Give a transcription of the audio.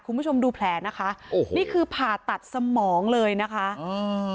คุณผู้ชมดูแผลนะคะโอ้โหนี่คือผ่าตัดสมองเลยนะคะอืม